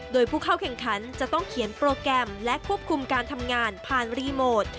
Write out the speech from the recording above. โดยผู้เข้าแข่งขันจะต้องเขียนโปรแกรมและควบคุมการทำงานผ่านรีโมท